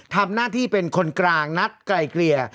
ทำหน้าที่เป็นคนกลางนัดไกลเกลี่ย